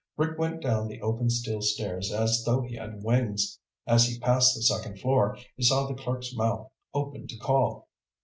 Rick went down the open steel stairs as though he had wings. As he passed the second floor, he saw the clerk's mouth open to call.